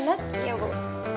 aduh kantor thank you ya nadia